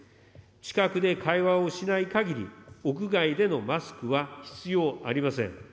近くで会話をしないかぎり、屋外でのマスクは必要ありません。